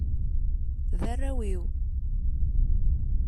D arraw-iw.